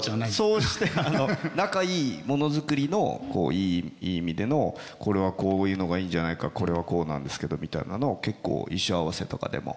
そうして仲いいものづくりのいい意味でのこれはこういうのがいいんじゃないかこれはこうなんですけどみたいなのを結構衣装合わせとかでも。